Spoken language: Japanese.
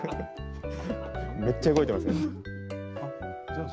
めっちゃ動いてますよ。